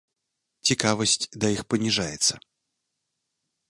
Цікавасць да іх паніжаецца.